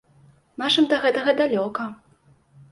Нашым да гэтага далёка.